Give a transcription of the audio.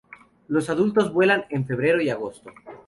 Los adultos vuelan en febrero y agosto.